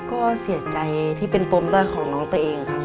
ก็เสียใจที่เป็นปมด้อยของน้องตัวเองค่ะ